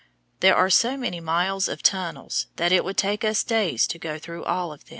There are so many miles of tunnels that it would take us days to go through them all.